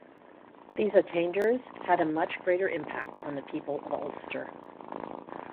These attainders had a much greater impact on the people of Ulster.